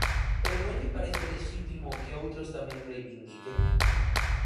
¿Pero non lle parece lexítimo que outros tamén reivindiquen?